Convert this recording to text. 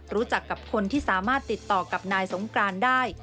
รู้จักกับคนที่สามารถติดต่อกับนายสงกรานได้